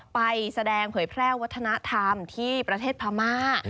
ไปแสดงเผยแพร่วัฒนธรรมที่ประเทศพม่า